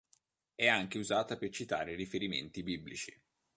È anche usata per citare riferimenti biblici.